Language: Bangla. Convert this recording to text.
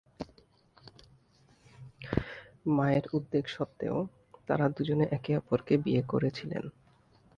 মায়ের উদ্বেগ সত্ত্বেও তারা দুজনে একে অপরকে বিয়ে করেছিলেন।